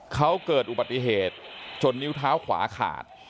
เขาเกิดอุบัติเหตุจนนิ้วเท้าขวาขาด